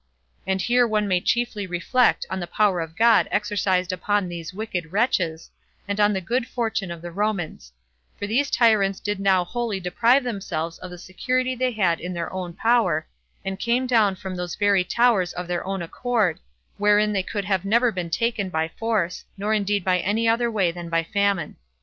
And here one may chiefly reflect on the power of God exercised upon these wicked wretches, and on the good fortune of the Romans; for these tyrants did now wholly deprive themselves of the security they had in their own power, and came down from those very towers of their own accord, wherein they could have never been taken by force, nor indeed by any other way than by famine.